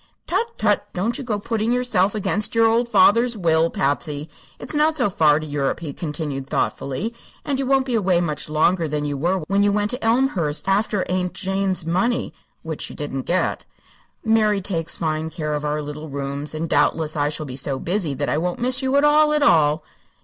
"Tut tut! don't you go putting yourself against your old father's will, Patsy. It's not so far to Europe," he continued, thoughtfully, "and you won't be away much longer than you were when you went to Elmhurst after Aunt Jane's money which you didn't get. Mary takes fine care of our little rooms, and doubtless I shall be so busy that I won't miss you at all, at all."